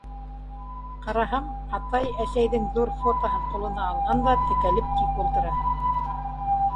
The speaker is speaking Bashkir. Ҡараһам, атай әсәйҙең ҙур фотоһын ҡулына алған да, текәлеп тик ултыра.